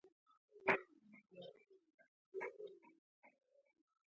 هغوی د کان د را ايستلو لپاره پيسې راغونډې کړې.